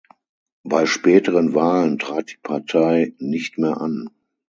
Bei späteren Wahlen trat die Partei nicht mehr an.